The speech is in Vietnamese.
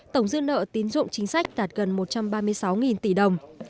tổng dư nợ tín dụng chính sách đạt gần một trăm ba mươi sáu tỷ đồng